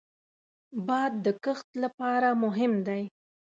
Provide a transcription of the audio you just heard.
باد د کښت لپاره مهم دی